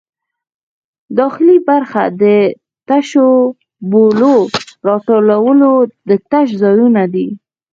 داخلي برخه د تشو بولو د راټولولو تش ځایونه دي.